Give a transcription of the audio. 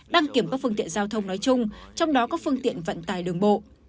đăng kiểm các phương tiện giao thông nói chung trong đó các phương tiện vận tài đường bộ